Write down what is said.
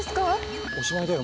おしまいだよ